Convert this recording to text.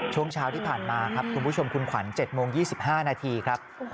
ช่วงเช้าที่ผ่านมาครับคุณผู้ชมคุณขวัญ๗โมง๒๕นาทีครับ